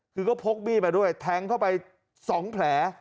คือก็พกมีดมาด้วยแทงเข้าไป๒แผล